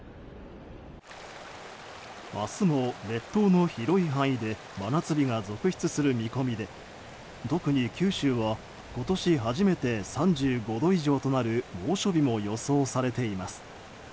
明日も列島の広い範囲で真夏日が続出する見込みで特に九州は今年初めて３５度以上となる猛暑日も予想されています。